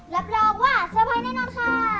รับรองว่าเซอร์ไพรส์แน่นอนค่ะ